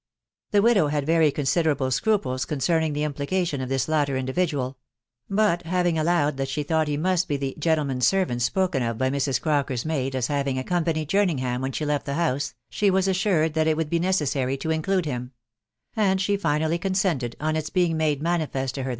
The widow had very considerable scruples concerning the implication of this latter individual ; but having allowed that she thought he must be the " gentleman's servant" spoken of by Mrs. Crocker's maid as having accompanied Jerningham when she left the house, she was assured that it would be necessary to include him ; sod she finally consented, on ita being mata x&ss&SssX Na Vsa 453 Ttt* WIDOW BAttlfAUY..